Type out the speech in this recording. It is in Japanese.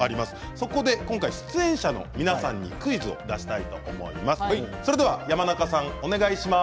そこで今回、出演者の皆さんにクイズを出したいと思います。